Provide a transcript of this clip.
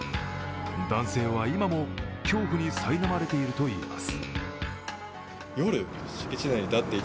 男性は今も恐怖にさいなまれているといいます。